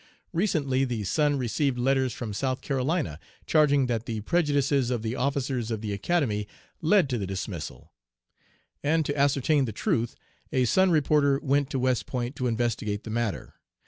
Recently the Sun received letters from South Carolina charging that the prejudices of the officers of the Academy led to the dismissal; and to ascertain the truth a Sun reporter went to West Point to investigate the matter.